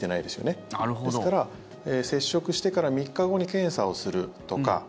ですから、接触してから３日後に検査をするとか。